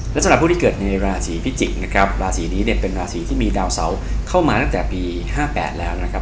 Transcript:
และสำหรับผู้ที่เกิดในราศีพิจิกษ์นะครับราศีนี้เนี่ยเป็นราศีที่มีดาวเสาเข้ามาตั้งแต่ปี๕๘แล้วนะครับ